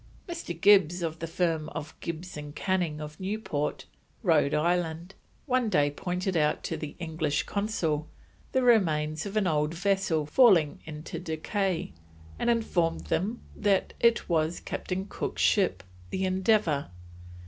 Mr. Gibbs, of the firm of Gibbs and Canning of Newport, Rhode Island, one day pointed out to the English Consul the remains of an old vessel falling into decay, and informed him that it was Captain Cook's ship, the Endeavour.